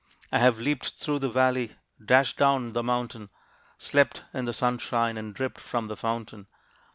I have leaped through the valley, dashed down the mountain, Slept in the sunshine, and dripped from the fountain.